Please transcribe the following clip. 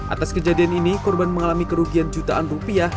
atas kejadian ini korban mengalami kerugian jutaan rupiah